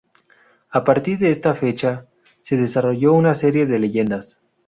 A partir de esta fecha, se desarrolló una serie de leyendas.